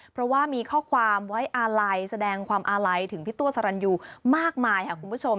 เพราะว่ามีข้อความไว้อาลัยแสดงความอาลัยถึงพี่ตัวสรรยูมากมายค่ะคุณผู้ชม